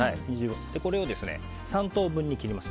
これを３等分に切ります。